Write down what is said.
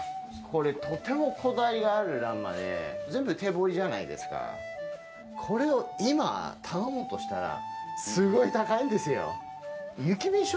これ、とてもこだわりがあるらんまで、全部手彫りじゃないですか、これを今、頼もうとしたら、すごい高いんですよ。